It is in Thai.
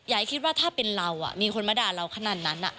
ไอ้คิดว่าถ้าเป็นเรามีคนมาด่าเราขนาดนั้น